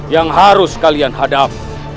yang harus kalian hadap